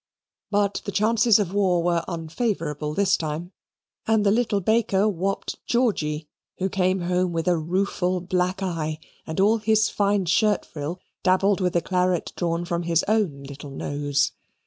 But the chances of war were unfavourable this time, and the little baker whopped Georgy, who came home with a rueful black eye and all his fine shirt frill dabbled with the claret drawn from his own little nose.